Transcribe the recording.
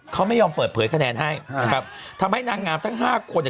เขาไม่ยอมเปิดเผยคะแนนให้นะครับทำให้นางงามทั้งห้าคนเนี่ย